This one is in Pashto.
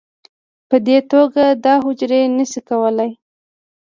په دې توګه دا حجرې نه شي کولی